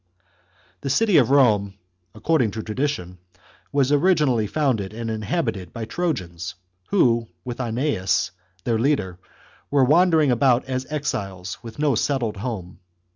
V The city of Rome, a6cording to tradition, was chap. vi. originally founded and inhabited by Trojans, who, with iEneas, their leader, were wandering about as exiles with no settled home.